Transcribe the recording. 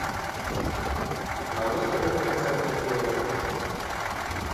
Навошта гэтая канцэртная феерыя?